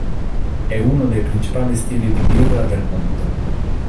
È uno dei principali stili di birra del mondo.